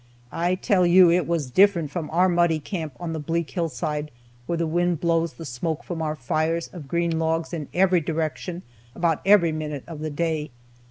I tell you, it was different from our muddy camp on the bleak hillside, where the wind blows the smoke from our fires of green logs in every direction about every minute of the day.